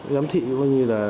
giám thị có nghĩ là